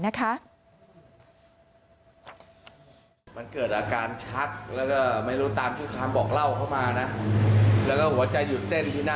พ่อของน้องว่าจะหยุดเต้นบนรถอีกครั้งแล้วปั๊มขึ้น